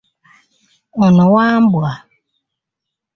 Ono Wambwa.